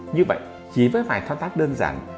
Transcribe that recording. như vậy chỉ với vài thoát tác đơn giản